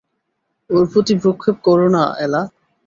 ওর প্রতি ভ্রূক্ষেপ করো না এলা।